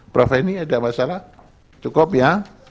prof ini ada masalah cukup ya